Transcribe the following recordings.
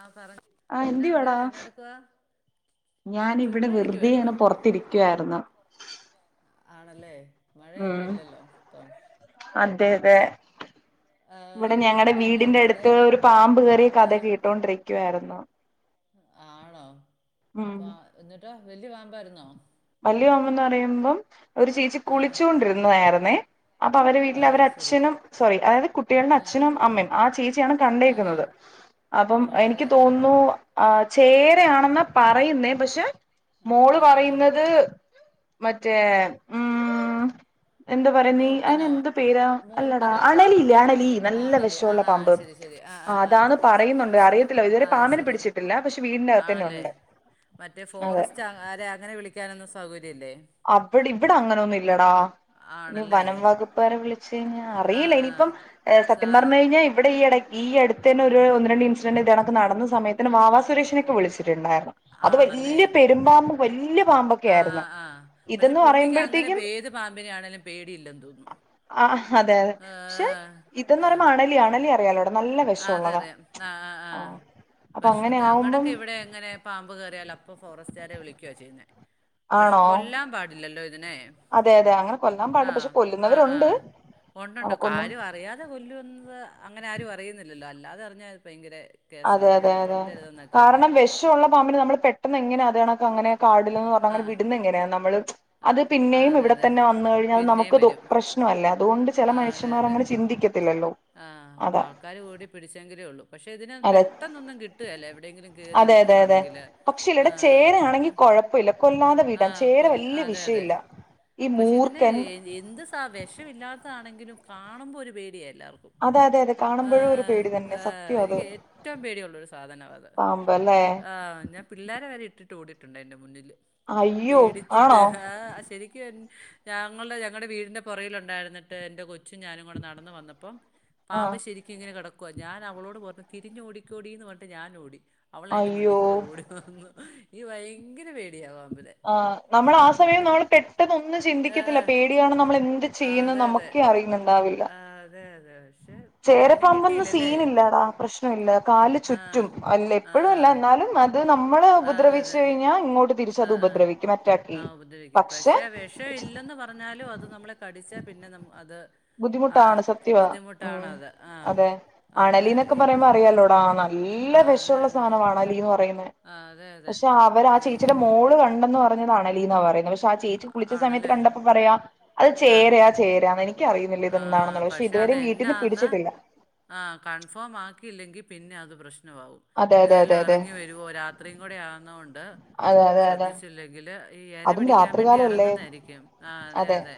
ആഹ് പറ ആഹ് എന്നാ ഉണ്ട് എന്നാ എടുക്കുവാ ഞാൻ ഇവിടെ ചുമ്മാ വെറുതെ ഇരിക്കുവായിരുന്നു ഇങ്ങനെ പൊറത്തിരിക്കുവായിരുന്നു ആണല്ലെ മഴയൊന്നും ഇല്ലല്ലോ ഇപ്പം അതെതെ ആഹ് ഇവടെ ഞങ്ങടെ പണ്ട് വീടിന്റെ എന്നായിരുന്നല്ലേ അട്ത്ത് ഒരു പാമ്പ് കേറ്യെ കഥ ആഹ് കേട്ടോണ്ടിരിക്കുവാരുന്നു ആണോ ഉം പാ എന്നിട്ടൊ വല്ല്യ പാമ്പായ്ര്ന്നോ വല്ല്യ പാമ്പെന്ന് പറയ്മ്പം ഒരു ചേച്ചി ആഹ് കുളിച്ചോണ്ടിര്ന്ന്വായ്ര്ന്നേ അപ്പ അവരെ വീട്ടില് ആഹ് ശരി അവരച്ഛനും സോറി അതായത് കുട്ട്യാൾടെ ആഹ് അച്ഛനും അമ്മെം ആഹ് ചേച്ച്യാണ് ആഹ് കണ്ടേക്കുന്നത് ആഹ് അപ്പം എനിക്ക് ആണല്ലേ ആഹ് തോന്നു ആഹ് ആഹ് ചേരെയാണെന്ന പറയുന്നെ പഷെ മോള് ആഹ് ആഹ് പറയ്ന്നത് മറ്റേ [unintelligible] ഉം എന്താ പറയ്ന്നീ മൂർഖനോ അയ്നെന്ത് പേരാ അല്ലെടാ മൂർഖനാണോ അണലിയില്ലേ അണലി ആഹ് നല്ല ആണല്ലേ വെശോള്ള ആഹ് ആഹ് പാമ്പ് ശരി ശരി ആഹ് ആഹ് അതാന്ന് ആഹ് പറയ്ന്നൊണ്ട് അറിയത്തില്ല ഇതുവരെ ആഹ് പാമ്പിനെ ശരി പിടിച്ചിട്ടില്ല പഷെ വീടിന്റെ അകത്തെന്നെ ആണല്ലേ ഒണ്ട് മറ്റേ ഫോറസ്റ്റ് ആരാ അങ്ങനെ വിളിക്കാനൊന്നും സൗകര്യല്ലെ അവ്ടിവ്ട അങ്ങനൊന്നുല്ലടാ ഇനി ആണല്ലേ വനകുപ്പാരെ വിളിച്ചു കഴിഞ്ഞാ ആഹ് അറിയില ആഹ് ഇനീപം ഏഹ് സത്യം സാധ പർഞ്ഞഴ്ഞ്ഞി ഇവിടെ ഈ എടെ ഈ അട്ത്തെന്നെ ഒരു ഒന്ന് രണ്ട് ഇൻസിഡന്റ് ഇതെണക്ക് നടന്ന സമയത്തിന് വാവാ സുരേഷിനൊക്കെ വിളിച്ച് ണ്ടാര്ന്ന് അത് ആണല്ലേ വല്ല്യ പെരുമ്പാമ്പും വല്ല്യ പാമ്പൊക്ക്യായ്ര്ന്നു പഷെ പുള്ളിക്കങ്ങനെ പേത് പാമ്പിനാണെലും പേടിയില്ലെന്ന് തോന്നുന്നു ആഹ് അതെ അതെ പക്ഷെ ആഹ് ഇതെന്ന് പറയ്മ്പോ അണലി അണലി അറിയാലോടാ നല്ല വെഷ് ആഹ് അതറിയാം ആഹ് ആഹ് ആഹ് അപ്പൊ പക്ഷെ അങ്ങനെ ആവുമ്പം ഞങ്ങെടൊക്കെ ഇവടെ അങ്ങനെ പാമ്പ് കേറിയാൽ അപ്പം ഫോറസ്റ്റ്കാരെ വിളിക്കുവാ ചെയ്യുന്നേ പക്ഷെ ആണോ കൊല്ലാൻ പാടില്ലല്ലോ ഇതിനെ അതെ അതെ അങ്ങനെ കൊല്ലാൻ പാടില്ല ആഹ് പക്ഷെ ആഹ് കൊല്ലുന്നവരുണ്ട് ആഹ് ഒണ്ടൊണ്ട് നമുക്കൊന്നും കാര്യം അറിയാതെ കൊല്ലുവന്നത് അങ്ങനെ ആരും അറിയുന്നില്ലല്ലോ അല്ലാതെ അറിഞ്ഞാ ഭയ്ങ്ക്രെ കേസാ അതെ അതെ അതങ്ങനെ അതെ കൊല്ലരുത് എന്നൊക്കെയൊണ്ട് [unintelligible] പാമ്പിനെ നമ്മള് പെട്ടെന്ന് എങ്ങനാ അത് കണക്ക്‌ അങ്ങനെ കാടിലെന്നു പറഞ്ഞ് ആ അങ്ങനെ വിടുന്ന എങ്ങനെയാ നമ്മള് അത് ആ പിന്നെയും അതെ ഇവിടെ അതെ തന്നെ വന്നു കഴിഞ്ഞാ അത് പിന്നെയും നമുക്ക് ദു വരും പ്രശ്നവല്ലെ അതുകൊണ്ട് ചെല ആ അതെ മനുഷ്യമ്മാര് അങ്ങനെ അതെ ചി ന്തിക്കത്തില്ലല്ലോ. ആഹ് ആൾക്കാര് കൂടി പിടിച്ചെങ്കിലേ ഒള്ളു പഷെ ഇതിനെ അതെ പെട്ടെന്നൊന്നും കിട്ടുകേല്ല എവിടേങ്കിലും കേറി അതെ ഇരിക്കുവാണെങ്കില് ആഹ് കൊഴപ്പില്ല കൊല്ലാതെ വിടാ ചേര വല്ല്യെ വിഷ്യൊയില്ല. പഷെ ഇതിനെ എന്ത് സ വെഷൊയില്ലാത്താണെങ്കിലും കാണുമ്പോ ഒരു പേടിയ എല്ലാർ അതെ അതെ അതെ ആഹ് കാണുമ്പോഴും ഒരു ആഹ് പേടി തന്നെ ആഹ് സത്യം എനിക്ക് ഏറ്റം പേടിയൊള്ളൊരു സാധനവാത്. പാമ്പല്ലേ പിള്ളേരെ വരെ ഇട്ടിട്ട് ഓടിട്ടൊണ്ട് എന്റെ മുന്നില് അയ്യോ പേടിച്ചിട്ട് ആണോ ഹാ ശ് ക്ക ഞങ്ങൾടെ ഞങ്ങടെ വീടിന്റെ പൊറകിലൊണ്ടായിര്നിട്ട് എന്റെ കൊ ച്ചു ഞാനും കൂടെ നടന്ന് വന്നപ്പൊ ആ പാമ്പ് ശെരി കി ഇങ്ങന കെടക്ക്വ ഞാൻ അവളോട് പർഞ്ഞു തിരിഞ്ഞൊടിക്കോടീന്ന് പൺട്ട് ഞാൻ ഓടി അവള അയ്ന്റെ അയ്യോ മുന്നീഖ്കൂടെ ഓടി ന്നീ ഈ വയ്ങ്കര പേ ആഹ് നമ്മളാ സമയം നമ്മൾ പെ ട്ടെന്നൊന്നും ചിന്തിക്കത്തില്ല ഏഹ് പേടിയാണ് നമ്മളെന്ത് ആ ചെയ്യുന്ന അതെ അതെ നമ്മുക്കേ അറിയുന്നുണ്ടാവില്ല. ആ, അതെ അതെ പക്ഷെ അതിനെ ചേരപ്പാമ്പന്നും കിട്ടിയില്ലല്ലേ സീനില്ലാടാ പ്രശ്നമില്ല കാല്ല് ആ ചുറ്റും അല്ലെ ആ ആ എപ്പഴുവല്ല എന്നാലും. അത് നമ്മള് ആ, അതെ അതെ ഉപദ്രവിച്ചഴിഞ്ഞാ ഇങ്ങോട്ട് ആ തിരിച്ചത് ആ ഉപദ്രവിക്കും മറ്റാക്കി പക്ഷെ ഷെ ഇല്ലെന്ന് പറഞ്ഞാലും അത് നമ്മളെ കടിച്ചാ പിന്നെ നം അത് ആ, ബുദ്ധിമുട്ടാണ് സത്യവ ഉം ബുദ്ധിമുട്ടാണത് ആ അതെ അതൊക്കെ അണലീനൊക്കെ ഈ പറയ്മ്പോ അറിയാലോടാ ന ല്ല ആ അതെ വെഷൊള്ള അതെ സാനമാണ് അണലീന്ന് പറയുന്നെ ആ അതെ അതെ ഷെ അവര് ആഹ് ചേച്ചീടെ നെയ്യ് മോള് കണ്ടെന്ന് പർ ഞ്ഞത് അണലീന്നാ പറയ്ന്നെ പഷാ ചേച്ചി കുളിച്ച സമയത്ത് ആണല്ലേ കണ്ടപ്പ പറയാ അത് ആ ചേരയ ചേര എനി ക്കറീന്നില്ല ആ ഇതെന്താണെന്നൊള്ള പഷെ ഇതു വരെ വീട്ടീന്ന് പിടിച്ചിട്ടില്ല ആഹ് കൺഫേം ആക്കിയില്ലെങ്കിൽ പിന്നെ അത് പ്രശ്നവാവും അതെ ഇത് അതെ അതെ വല്ലോം അതെ അറങ്ങി വ രുവോ രാത്രീം കൂടെ ആന്നോണ്ട് അതെ അതെ അതെ ശ്രദ്ധിച്ചില്ലെങ്കില് ഈഹ് എര അതും പിടിക്കാൻ വേണ്ടി രാത്രികാലല്ലേ എറങ്ങുന്നേരിക്കും ആഹ് അതെ അതെ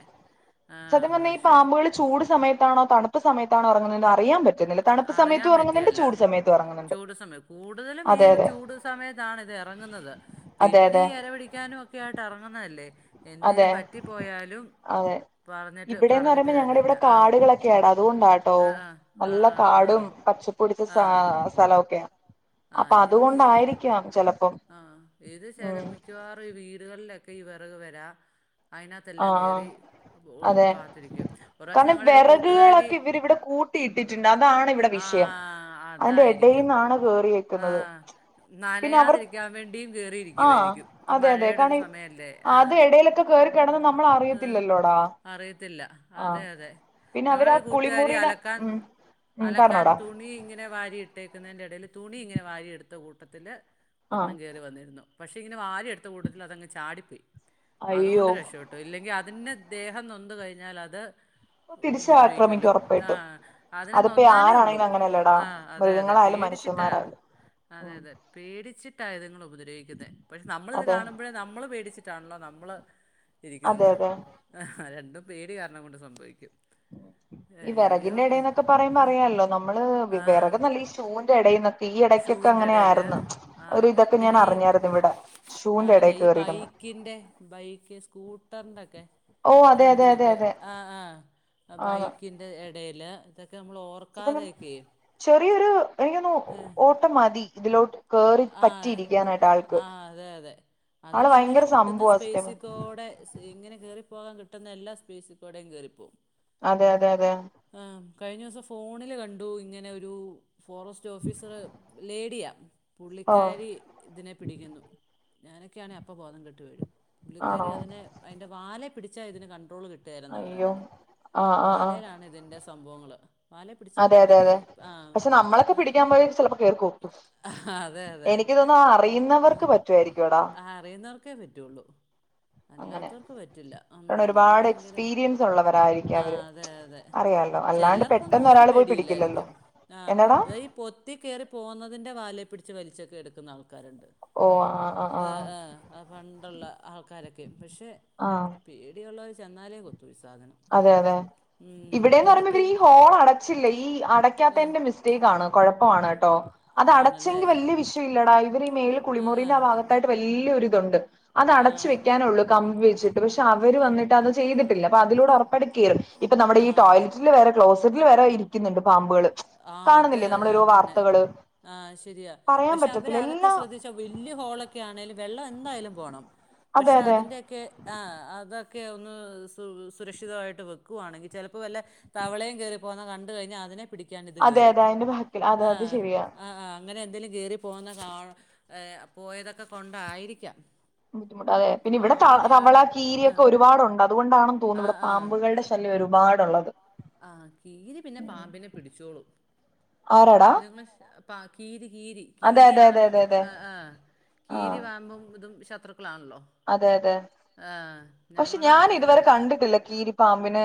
ആ സത്യം പറഞ്ഞാ ഈ പക്ഷേ പാമ്പേള് ചൂട് സമയത്താണോ തണുപ്പ്‌ സമയത്തണോ ഇറങ്ങുന്നതെന്ന് അർ അറിയൻ പറ്റുന്നില്ല തണുപ്പ് അറിയാൻ സമയത്തും ഇറങ്ങുന്നുണ്ട് പറ്റിയേല്ല ചൂട് സമയത്തും ഇറങ്ങുന്നുണ്ട്. ചൂട് സമയം കൂടുതലും ഈ അതെയതെ. ചൂട് സമയത്താണ് ഇത് ഇറങ്ങുന്നത് പിന്നെ അതെ ഈ ഇര പിടിക്കാനും ഒക്കെ ആയിട്ട് എറങ്ങുന്നതല്ലേ. എന്തേലും അതെ പറ്റിപ്പോയാലും. അതെ പറഞ്ഞിട്ട് ഇവിടെന്ന് പറഞ്ഞിട്ട് പറയുമ്പോ ഞങ്ങടെ കാര്യമില്ല ഇവിടെ ആഹ് കാടുകളൊക്കെയാടാ അതുകൊണ്ടാട്ടോ ആഹ് ആഹ് നല്ല കാടും പച്ചപ്പൊടിച്ച സ സലോക്കെയാ ആ [unintelligible] ആ ഇത് ഉം ചേനപ്പുഴുക്ക് മിക്കവാറും ഈ വീടുകളിലൊക്കെ ഈ വിറക് പെരാ അയിനതിനകത്തെല്ലാം ആഹ് ആഹ് കേറി അതെ പാത്തിരിക്കും ഒരുപ്രാവശ്യം കാരണം ഞങ്ങളെ ഒരു കൂട്ടുകാരി വെറകുകളൊക്കെ ഇവരിവിടെ കൂട്ടിയിട്ടിട്ടുണ്ട് അതാണ് ഇവിടെ വിഷയം ആഹ് അതിന്റെ അതായിരിക്കും [unintelligible] ആഹ് പിന്നെ അവർ നനയാതിരിക്കാൻ വേണ്ടിയും ആഹ് കേയറിയിരിക്കുവായിരിക്കും ഇപ്പൊ അതെ അതെ മഴയുടെ ഒരു കാരണം സമയല്ലേ അത് ആഹ് എടയിലൊക്കെ കേറികിടന്നാ നമ്മൾ ആഹ് അറിയത്തില്ലല്ലോടാ അറിയത്തില്ല അതെ ആഹ് അതെ പിന്ന അവര് ഞങ്ങളുടെ ആ ഒരു കൂട്ടുകാരി കുളിമുറിന അലക്കാൻ ഉം ഉം അലക്കാൻ പറഞ്ഞോടാ തുണി ഇങ്ങനെ വാരിയി ഇട്ടേക്കുന്നതിന്റെ ഇടയില് തുണി ഇങ്ങനെ വാരി എടുത്ത കൂട്ടത്തില് ആഹ് ഒരെണ്ണം കേറി വന്നിരുന്നു. പക്ഷേ ഇങ്ങനെ വാരി എടുത്ത കൂട്ടത്തില് അതങ്ങ് ചാടിപ്പയി അതുകൊണ്ട് അയ്യോ രക്ഷപ്പെട് ട്ടു. ഇല്ലെങ്കി അതിന്റെ ദേഹം നൊന്ത് കഴിഞ്ഞാൽ അത് തിരിച്ച് ആക്രമിക്കും ഉപദ്രവിക്കൂല്ലോ ഒറപ്പായിട്ടും ആഹ് അതിന് അതിപ്പോ നൊന്താലേ ഉള്ളൂ ആരാണെങ്കിലും അങ്ങനെയല്ലേടാ ആഹ് അതെ അതെ മൃഗങ്ങളായാലും പേടി ച്ചിട്ടാ മനുഷ്യന്മാരായാലും അതെ ഉം അതെ പേടിച്ചിട്ടാ ഇതുങ്ങൾ ഉപദ്രവിക്കുന്നേ പക്ഷെ നമ്മളിത് അതെ കാണുമ്പോഴേ നമ്മള് പേടിച്ച് ട്ടാണല്ലോ നമ്മള് അതെ ഇരിക്കുന്നത് അതെ രണ്ടും പേടി കാരണം കൊണ്ട് സംഭവിക്കും ഈ അയ്യോ വിറകിന്റെ ഇ- ഇടന്നൊക്കെ പറയുമ്പോ അറിയാലോ നമ്മള് ആ വിറക നല്ല ഈ ഷൂവിന്റെ ഇടേന്നൊക് ഈ ഇടയ്ക്കൊക്കെ ഷൂവിൻ്റെ ഇടയിൽ അങ്ങനെയാര്ന്നു ആ ഒരു ഇതൊക്കെ ഞാൻ പിന്നെ ഈ അറിഞ്ഞായിരുന്നു ഇവിടെ ഷൂന്റെ ഇടെ കേറിയിരുന്നു ക്കിന്റെ ബൈക്ക് സ്കൂട്ടർന്റൊക്കെ ഓ അതെ അതെ അതെ ഫ്രണ്ടിലൊക്കെ അതെ ആഹ് ആഹ് ആണ് ബൈക്കിന്റെ ഇടേല് ഇതൊക്കെ നമ്മൾ ഓർ തം ചെറിയൊരു എനിക്കൊന്നു ഓട്ടം മതി ഇതിലോട്ട് കേറി ആഹ് പറ്റിയിരിക്കാനായിട്ട് ആൾക്ക് ആഹ് അതെ അതെ ആള് അതിന് ഇങ്ങനെ ഭയങ്കര കിട്ടുന്ന സംഭവ സത്യം പറഞ്ഞാ. സ്പേസികോടെ ഇങ്ങനെ കേറിപ്പോകാൻ കിട്ടുന്ന എല്ലാ സ്പേസി കൂടെയും കേറിപ്പോകും അതെ അതെ അതെ ആഹ് കഴിഞ്ഞ ദിവസം ഫോണില് കണ്ടു ഇങ്ങനെ ഒരു ഫോറസ്റ്റ് ഓഫീസറ് ലേഡിയാ ഓ പുള്ളിക്കാരി ഇതിനെ പിടിക്കുന്നു ഞാനൊക്കെയാണേ അപ്പൊ ബോധം കെട്ട് വീഴും പുള്ളിക്കാരി ആണോ അതിനെ അതിന്റെ വാലെ പിടിച്ചാ ഇതിന് കണ്ട്രോൾ കിട്ടുകേലെന്നാ അയ്യോ പറയുന്നെ ആ ആ ആ വാലേലാണ് ഇതിന്റെ സംഭവങ്ങള് വാലെ പിടിച്ചാ അതെ അതെ പിടിക്കും അതെ ആഹ് പക്ഷെ നമ്മളൊക്കെ പിടിക്കാൻ പോയ ചിലപ്പോ കേറി കൊത്തും അതെ അതെ എനിക്ക് തോന്നുന്നു അറിയുന്നവർക്ക് പറ്റുവായിരിക്കുംടാ ആഹ് അറിയുന്നവർക്കേ പറ്റുള്ളു അങ്ങനെ അല്ലാത്തവർക്ക് പറ്റില്ല ഉം കാരണം അത് ഒരുപാട് ഭയങ്കര എക്സ്പീരിയൻസ് ഉള്ളവരായിരിക്കും ആഹ് അവര് അതെ അതെ അറിയാലോ അല്ലാണ്ട് ചിലർക്കൊന്നും പെട്ടെന്ന് ഒരു ഒരാൾ പോയി പിടിക്കില്ലല്ലോ പെടിയുല്ലായിരിക്കും ആഹ് എന്നടാ ഇത ഈ പൊത് ത്തി കേറി പോകുന്നതിൻ്റെ വാലേ പിടിച്ച് വലിച്ചൊക്കെ എടുക്കുന്ന ആൾക്കാരുണ്ട് ഓ ആ ആ ആ ഏഹ് ഏഹ് അത് പണ്ടുള്ള ആൾക്കാരൊക്കെ പക്ഷെ ആ പേടിയുള്ളവര് ചെന്നാലേ കൊത്തു ഈ സാധനം അതെ അതെ ഉം ഇവിടേന്ന് പിന്നെ പറയുമ്പോ തോ ഇവര് ഈ ഹോൾ അടച്ചില്ലേ ഈ ഏ അടയ്ക്കാത്തേന്റെ മിസ്റ്റേക്ക് ആണ് കുഴപ്പൊ ആണ് ട്ടോ അത് ആണല്ലേ അടച്ചെങ്കി വല്ല്യ വിഷയം ഇല്ലടാ ഇവര് ഈ മേൽ കുളിമുറിന്റെ ആ ഭാഗത്തായിട്ട് വല്ല്യൊരിതുണ്ട് അത് അടച്ച് ആഹ് വെയ്ക്കാനുള്ളു കമ്പി വെച്ചിട്ട്. പക്ഷെ അവര് വന്നിട്ട് അത് ചെയ്തിട്ടില്ല അപ്പൊ അതിലൂടെ ഉറപ്പയിട്ടും കേറും ഇപ്പൊ നമ്മുടെ ഈ ആഹ് ടോലറ്റിൽ വരെ ക്ലോസറ്റിൽ വരെ ഇരി ക്കുന്നുണ്ട് പാമ്പുകള് ആഹ് അത് കാണുന്നില്ലേ നമ്മള് ഓരോ അതന്നെ വാർത്തകള് ആഹ് ശരിയാ പറയാൻ പക്ഷെ അവര് പറ്റത്തില്ല അതൊക്കെ എല്ലാം ശ്രദ്ധിച്ചു വലിയ ഹോളൊക്കെ ആണേലും വെള്ളം എന്തായാലും പോണം അതെ പക്ഷെ അതെ അതിന്റെയൊക്കെ ആഹ് അതൊക്കെ ഒന്ന് സു സുരക്ഷിതവായിട്ട് വയ്ക്കുവായാണെങ്കിൽ ചിലപ്പോൾ വല്ല തവളയും കേറി പ്പോന്ന കണ്ട കഴിഞ്ഞൽ അതിനെ പിടിക്കാൻ ഇത് അതെ കേറും അതെ അതിന്റെ ബാക്കിൽ അതെ അത് ആഹ് ശരിയാ ആഹ് അങ്ങനെ എന്തേലും കീറി പോകുന്ന കാഏഹ് പോയതൊക്കെ കൊണ്ടായിരിക്കാം ബുദ്ധിമു് അതെ പിന്നെ ഇവിടെ ത തവള പാമ്പിനെയാണ് കീരിയൊക്കെ ആഹ് ഒരുപാടുണ്ട് അതുകൊണ്ടണെന്ന് തോന്നുന്നു ഇവിടെ ആഹ് ആഹ് പാമ്പുകളുടെ ഷ ല്യം ഒരുപാടുള്ളത് ആഹ് കീരി പിന്നെ പാമ്പിനെ പിടിച്ചോളും ആരാടാ [unintelligible] പ കീരി കീരി അതെ അതെ അതെ കീരിയാണല്ല അതെ അതെ ആഹ് കീരി ആഹ് പാമ്പും കു ഇതും ശത്രു ക്കളാണല്ലോ അതെ അതെ പക്ഷെ ഞാൻ ഇതുവരെ ഇവിടെ കണ്ടിട്ടില്ല കീരി പാമ്പിന്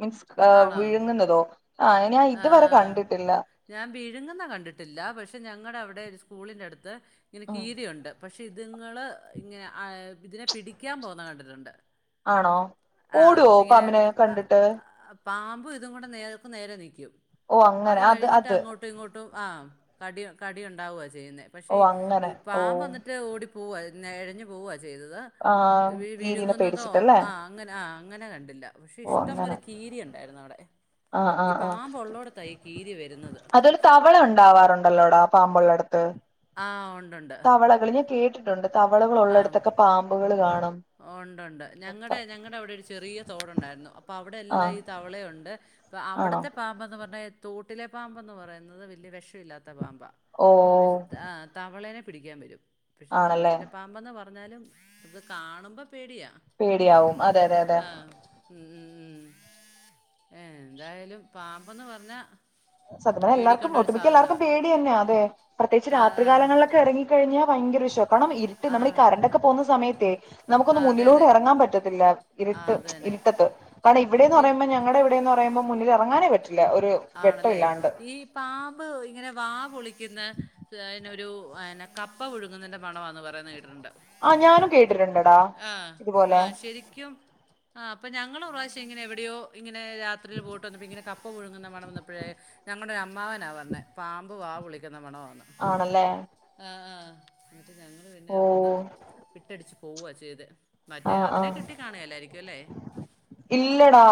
മീൻസ് ആണോ വിഴുങ്ങുന്നതോ ആഹ് ഞാൻ ഇതുവരെ ആഹ് കണ്ടിട്ടില്ല ഞാൻ വീഴുങ്ങുന്ന കണ്ടിട്ടില്ല പക്ഷെ ഞങ്ങളുടെ അവിടെ സ്കൂളിൻ ന്റെ അടുത്ത് ഇങ്ങനെ ഉം കീരിയുണ്ട് പക്ഷെ ഇതുങ്ങൾ ഇങ്ങനെ ഇതിനെ പിടിക്കാൻ പോന്നത് കണ്ടിട്ടുണ്ട് ആണോ ആഹ് ഓടുവോ പിങ്ങനെ പാമ്പിനെ അഹ് കണ്ടിട്ട് അപ് പാമ്പും ഇതും കൂടെ നേർക്ക് നേരെ നിൽക്കും ഓ അങ്ങനെ അത് കഴിഞ്ഞിട്ട് അത് അങ്ങോട്ട് രണ്ടും ഇത് രണ്ടും കടി ഉണ്ടാകുവാണ് ഓ ചെയ്യുന്നത് അങ്ങനെ ഓ പാമ്പ് ഓടിപ്പോകും പോവ ഇഴഞ്ഞു പോവ ചെയ്തത് ആഹ് കീരിനെ വിഴങ്ങുന്നതോ പേടിച്ചിട്ടല്ലേ ആഹ് അങ്ങനെ ആഹ് അങ്ങനെ കണ്ടില്ല പക്ഷേ ഓ ഇഷ്ടം അങ്ങനെ പോലെ കീരി ഉണ്ടായിരുന്നു അവിടെ ആഹ് ഈ ആഹ് ആഹ് പാമ്പ് ഉള്ളോടത്താ ഈ കീരി വരുന്നത് അതൊരു തവള ഉണ്ടാവാറുണ്ടല്ലോടാ പാമ്പുള്ളടത്ത് ആഹ് ഉണ്ടുണ്ട് ത്ത് തവളകൾ ഞാൻ കേ ട്ടിണ്ടേ തവളകൾള്ളടത്തൊക്കെ പാമ്പുകൾ കാണും ഓഹ് ഉണ്ട് ഉണ്ട് ഞങ്ങളുടെ ഞങ്ങളുടെ അവിടെ ഒരു ചെറിയ തോടുണ്ടായിരുന്നു അപ്പ അവിടെ എല്ലാം ആഹ് ഈ തവളയുണ്ട് അപ ആണോ അവിടത്തെ പാ പറ തോട്ടിലെ പാമ്പന്ന് പറയുന്നത് വല്ല്യ വിഷല്ലാത്ത പാമ്പ ഓ പക്ഷെ ആഹ് തവളേനെ പിടിക്കാൻ വരും പക്ഷെ ആണല്ലേ തോട്ടിലെ പാമ്പന്ന് പറഞ്ഞാലും ഇത് കാണുമ്പോൾ പേടിയാണ് പേടിയാവും അതെ അതെ അതെ ആഹ് ഉം എന്തായാലും പാമ്പന്ന് പറഞ്ഞാൽ സത്യം പറഞ്ഞ എല്ലാർക്കും ഒട്ടുമിക്ക എല്ലാർക്കും പേ ന്നെ അതെ പ്രത്യേകിച്ച് ആ ആ. രാത്രികാലങ്ങളിലൊക്കെ ഇറങ്ങി കഴിഞ്ഞാൽ ഭയങ്കര വിഷം കാരണം ട്ട് ആ. നമ്മൾ ഈ കറണ്ടൊക്കെ പോകുന്ന സമയത്തെ ആ നമുക്കൊന്ന് അതെ മുന്നിലോടെ അതെ. ഇറങ്ങാൻ പറ്റത്തില്ല ആ ഇരുട്ട് അത് തന്നെ. ഇരുട്ടത്ത് കാരണം ഇവിടെന്ന് പിൻ പറയുമ്പ ഞങ്ങളുടെ ഇവിടെന്ന് പറയുമ്പോ മുന്നിൽ ഇറങ്ങാനേ പറ്റില്ല ഒരു വെട്ടം ആണല്ലേ ഇല്ലാണ്ട് ഈ പാമ്പ് ഇങ്ങനെ വാ പൊളിക്കുന്ന ഒരുന്നെ കപ്പ പുഴുങ്ങുന്നന്റെ മണമാന്ന് പറയുന്നത് കേട്ടിട്ടുണ്ട് ആ ഞാനും കേട്ടിട്ടുണ്ടെടാ ആഹ് ഇതുപോലെ ആഹ് ശരിക്കും ആഹ് അപ്പൊ ഞങ്ങളൊരു പ്രാവശ്യം ഇങ്ങനെ എവിടെയോ ഇങ്ങനെ രാത്രിൽ പോയിട്ട് വന്ന ഇങ്ങനെ കപ്പ പുഴുങ്ങുന്ന മ മണം വന്നപ്പോഴേ ഞങ്ങളുടെ അമ്മാവനാണ് പറഞ്ഞത് പാമ്പ് വാ പൊളിക്കുന്ന മണ വാന്ന് ആണല്ലേ ആഹ് ആഹ് എന്നിട്ട് ഞങ്ങള് പിന്നെ ഓ അവിടുന്ന് വിട്ടടിച്ചു പോവാ ചെയ്തെ മറ്റ ആ ആ അതിനെ കിട്ടി കാണല്ലായിരിക്കും അല്ലേ ഇല്ലടാ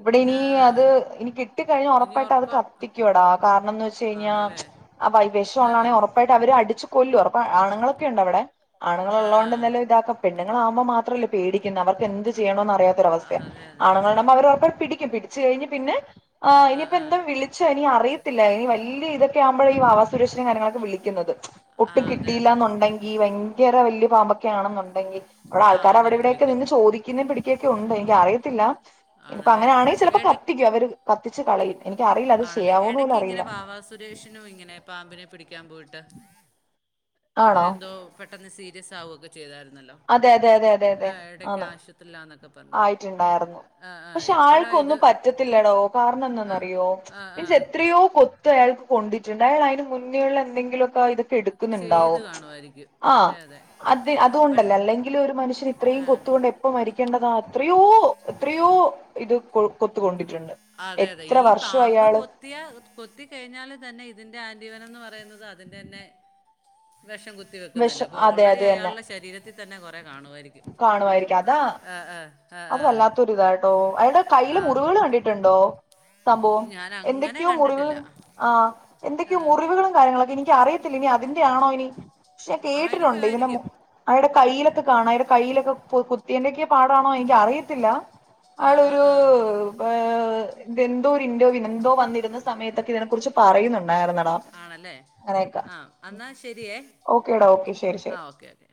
ഇവിടെ ഇനി ആ ആ അത് ഇനി കി കിട്ടി കഴിഞ്ഞ ഇനി ഉറപ്പായിട്ട് അത് ഉറക്കം കത്തിക്കുവോടാ കാരണം എന്ന് വെച്ച് കഴിഞ്ഞാൽ ആണല്ലേ ആ വഴി ആ വിഷഉള്ളാണെങ്കിൽ ആ ഉറപ്പായിട്ട് അവര് അടിച്ചു കൊല്ലു ഉറപ്പ ആണുങ്ങളൊക്കെ ഉണ്ടവിടെ ആണുങ്ങൾ ആ ഉള്ളത് ആ കൊണ്ട്ന്താലും ഇതൊക്കെ നമ്മൾ മാത്രമാവുമ്പോളല്ലേ പേടി ക്കേണ്ടത് നമ്മക്ക് എന്ത് ചെയ്യണം ന്നറിയാത്ത ആ അവസ്ഥ അതെ അതെ അവരോറപ്പ പിടിക്കും പിടിച്ചു കഴിഞ്ഞ പിന്നെ ആ ഇനിപ്പപ്പോ എന്തും വിളിച്ചോ ഇനി അറിയത്തില്ല ഇനി വല്ല്യ ഇതൊക്കെ ആവുമ്പോ ഈ വാവാ സുരേഷിനെയും കാര്യങ്ങളൊക്കെ വിളിക്കുന്നത് ആ ഒട്ടും അതെ കിട്ടിയില്ല അതെ എന്നുണ്ടെങ്കി ഭയങ്കര വല്ല്യ പാമ്പൊക്കെ ആണെന്നുണ്ടെങ്കിൽ ആ ആൾക്കാർ അങ്ങനെ അവിടെവിടെയക്കെ വിളിക്കും നിന്ന് ചോദിക്ക പിടിക്കൊക്കെ ഉണ്ട് അയ്‌ന്റെ [unintelligible] ത്തില്ല ഇനിപ്പ ആണല്ലേ അങ്ങനെ ആണെങ്കിൽ ചിലപ്പോ എട കത്തിക്കും അവര് കത്തിച്ച് കളയും എനിക്കറിയില്ല അത് ആണല്ലേ ചെയ്യാവോന്ന് പോലും ഇടയ്ക്ക് ഇങ്ങനെ അറിയില്ല വാവാ സുരേഷിനും ഇങ്ങനെ പാമ്പിനെ പിടിക്കാൻ പോയിട്ട് ആണോ ഇങ്ങനെ എന്തോ പെട്ടെന്ന് സീരിയസ് ആവൊക്കെ ചെയ്തായിരുന്നല്ലോ അതെ അതെ അതെ അതെ ആ അതെ ഇടയ്ക്ക് ആന്ന് ആശുപത്രിയിലാന്നൊക്കെ പറഞ്ഞ് ആയിട്ടുണ്ടായിരുന്നു ആ ആ പക്ഷെ എപ്പോഴാ ഇത് ആൾക്കൊന്നും പറ്റ ടോ കാരണം ആ എന്താന്നറിയോ ആ ആ മീൻസ് എത്രയോ കൊത്ത് അയാൾക്ക് കൊണ്ടി ചുണ്ടായൽ അതിന് മുന്നേയുള്ള എന്തെങ്കിലുമൊക്കെ ഇതൊക്കെ ചെയ്ത് എടുക്കുന്നുണ്ടാവും കാണുമായിരിക്കും ആ അതെ അതെ അത് അതുകൊണ്ട് ല്ല പക്ഷേ അല്ലെങ്കിൽ ഒരു മനുഷ്യന് ഇത്രയും ആ കൊത്ത് കൊണ്ട് എപ്പ മരിക്കേണ്ടതാ അത്രയോ എത്രയോ ഇത് കൊ കൊത്തുകൊണ്ടിട്ടുണ്ട് അതെ അതെ എത്ര ഈ വർഷം പാമ്പ് അയാള് കൊത്തിയാ കൊത്തി കഴിഞ്ഞാൽ തന്നെ ഇതിന്റെ ആന്റിവനം പറയുന്നത് അതിന്റെ തന്നെ വിഷം കുത്തി വെക്കുന്നില്ല വിഷം അപ്പൊ അതെ ഓൾറെഡി അത് തന്നെ അയാളുടെ ശരീരത്തിൽ തന്നെ കൊറെ കാണുമായിരിക്കും കാണുമായിരിക്കും അതാ ആഹ ആഹ അത് വല്ലാത്തൊരു ഇതാട്ടോ അയാ ടെ കയ്യില ആ. മുറിവുകൾ കണ്ടിട്ടുണ്ടോ സംഭവം ഞാനങ്ങനെ എന്തൊക്കെയോ മുറിവ് കണ്ടിട്ടില്ല. ആഹ ആ. എന്തൊക്കെയൊ മുറിവുകളും കാര്യങ്ങളൊക്കെ എനിക്ക് അറിയത്തില്ല ഇനി അതിന്റെ ആണോ ഇനി പക്ഷെ ആയിരിക്കും, കേട്ടിട്ടുണ്ട് ഇതിനന് ആയിരിക്കും. അയാടെ കയ്യിലൊക്കെ കാണാ അയാടെ കയ്യിലൊക്കെ കുത്തിയന്റെക്കെ പാടാണോ എനിക്ക് അറിയത്തില്ല ആ, ആ, ആളൊരു ആ. ഏ എന്തോ ഇന്റർ വിനെന്തോ വന്നിരുന്ന സമയത്തൊക്കെ ഇതിനെ കുറിച്ച് പറയുന്നുണ്ടായിരുന്നടാ ആണല്ലേ? അങ്ങനക്ക ആ, എന്നാ ശരിയേ. ഓക്കെടാ ഓക്കെ ശരി ആ, ശരി ഓക്കെ, ഓക്കെ.